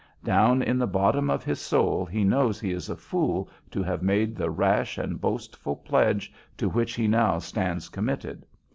Down in the bottom of his soul he knows he is a fool to have made the rash and boastful pledge to which he now stands committed.